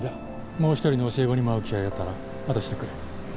もう一人の教え子にも会う機会があったら渡してくれ。